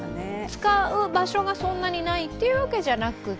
使う場所がそんなにないというわけではなくて？